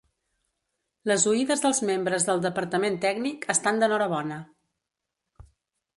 Les oïdes dels membres del departament tècnic estan d'enhorabona.